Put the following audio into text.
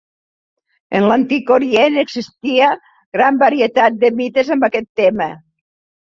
En l'antic Orient existia gran varietat de mites amb aquest tema.